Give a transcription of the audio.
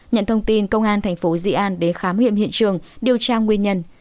nhận thông tin công an thành phố di an để khám hiểm hiện trường điều tra nguyên nhân